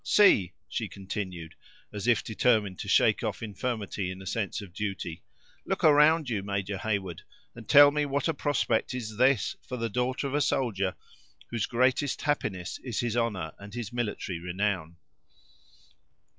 See," she continued, as if determined to shake off infirmity, in a sense of duty; "look around you, Major Heyward, and tell me what a prospect is this for the daughter of a soldier whose greatest happiness is his honor and his military renown."